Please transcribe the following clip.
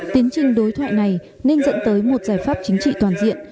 tiến trình đối thoại này nên dẫn tới một giải pháp chính trị toàn diện